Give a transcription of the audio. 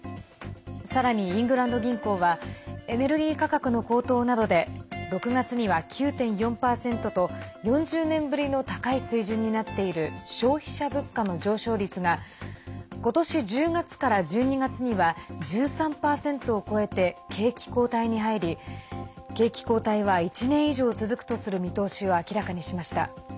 さらにイングランド銀行はエネルギー価格の高騰などで６月には９．４％と４０年ぶりの高い水準になっている消費者物価の上昇率が今年１０月から１２月には１３％を超えて景気後退に入り景気後退は１年以上続くとする見通しを明らかにしました。